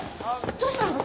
どうしたの？